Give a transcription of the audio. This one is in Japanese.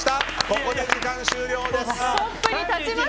ここで終了です。